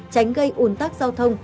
tránh gây un tắc giao thông